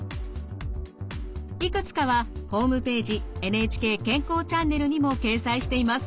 いくつかはホームページ「ＮＨＫ健康チャンネル」にも掲載しています。